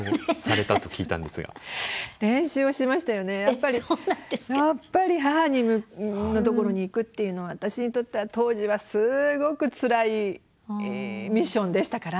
やっぱり母のところに行くっていうのは私にとっては当時はすごくつらいミッションでしたから。